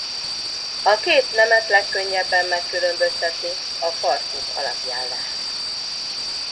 A két nemet legkönnyebben megkülönböztetni a farkuk alapján lehet.